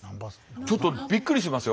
ちょっとびっくりしますよ。